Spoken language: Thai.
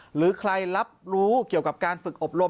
หรือใครรับรู้เกี่ยวกับการฝึกอบรม